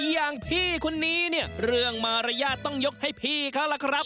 อย่างพี่คนนี้เนี่ยเรื่องมารยาทต้องยกให้พี่เขาล่ะครับ